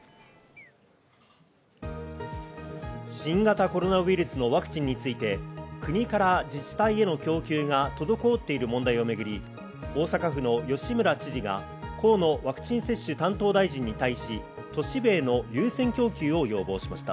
新型コロナウイルスのワクチンについて、国から自治体への供給が滞っている問題をめぐり、大阪府の吉村知事が河野ワクチン接種担当大臣に対し、都市部への優先供給を要望しました。